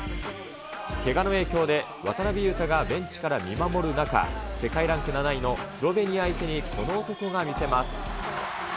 けがの影響で渡邊雄太がベンチから見守る中、世界ランク７位のスロベニア相手にこの男が見せます。